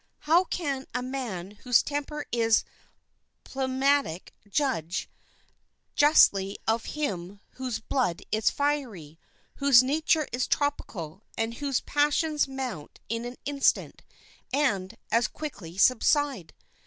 How can a man whose temper is phlegmatic judge justly of him whose blood is fiery, whose nature is tropical, and whose passions mount in an instant, and as quickly subside?